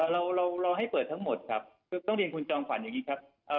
เราเราให้เปิดทั้งหมดครับคือต้องเรียนคุณจอมขวัญอย่างนี้ครับ